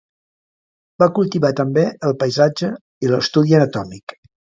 Va cultivar també el paisatge i l'estudi anatòmic.